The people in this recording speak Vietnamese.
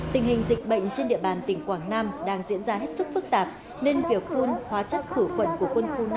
tình hình dịch bệnh trên địa bàn tỉnh quảng nam đang diễn ra hết sức phức tạp nên việc phun hóa chất khử khuẩn của quân khu năm